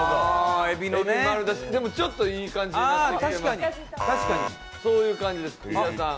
でもちょっといい感じですよ、そういう感じです。